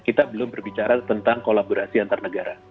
kita belum berbicara tentang kolaborasi antar negara